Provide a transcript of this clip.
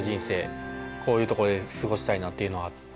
こういう所で過ごしたいなっていうのはあって。